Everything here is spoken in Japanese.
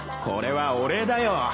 これはお礼だよ